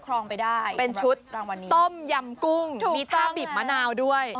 ครองไปได้เป็นชุดต้มยำกุ้งมีต้าบีบมะนาวด้วย